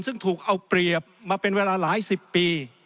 ซึ่งถูกเอาเปรียบมาเป็นเวลาหลายสิบปี